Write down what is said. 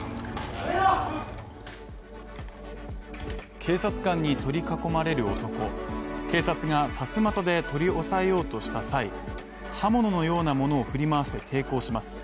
警察官に取り囲まれる男、警察がさすまたで取り押さえようとした際、刃物のようなものを振り回して抵抗します。